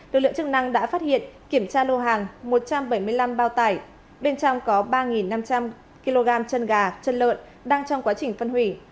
lực lượng chức năng đã phát hiện kiểm tra lô hàng một trăm bảy mươi năm bao tải bên trong có ba năm trăm linh kg chân gà chân lợn đang trong quá trình phân hủy